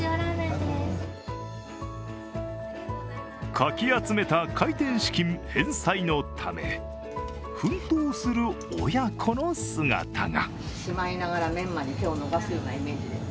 かき集めた開店資金返済のため、奮闘する親子の姿が。